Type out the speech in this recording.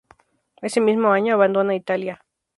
Ese mismo año abandona Itala.